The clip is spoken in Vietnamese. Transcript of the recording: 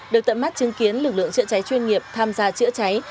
được tận mắt chứng kiến lực lượng chữa cháy chuyên nghiệp tham gia chữa cháy